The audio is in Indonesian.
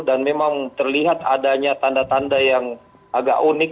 dan memang terlihat adanya tanda tanda yang agak unik